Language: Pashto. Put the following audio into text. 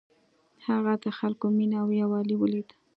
هغه د خلکو مینه او یووالی ولید.